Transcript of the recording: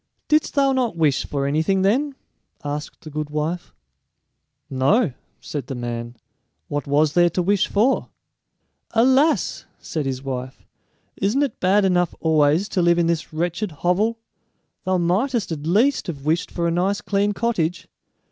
"Didst thou not wish for anything then?" asked the good wife. "No," said the man; "what was there to wish for?" "Alas!" said his wife; "isn't it bad enough always to live in this wretched hovel? Thou mightest at least have wished for a nice clean cottage.